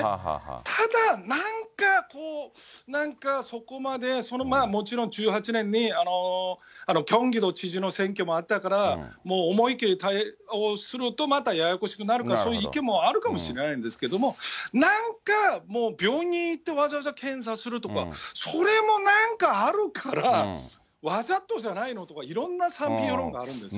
ただ、なんか、こう、なんかそこまで、もちろん１８年にキョンギ道知事の選挙もあったから、もう思い切り対応するとややこしくなる、そういう意見もあるかもしれないんですけれども、なんか病院行ってわざわざ検査するとか、それもなんかあるから、わざとじゃないの？とか、いろんな賛否両論があるんですよ。